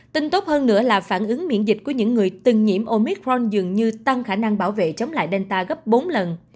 tin tốt hơn nữa là phản ứng miễn dịch của những người từng nhiễm omitron dường như tăng khả năng bảo vệ chống lại delta gấp bốn lần